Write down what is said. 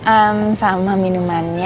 eem sama minumannya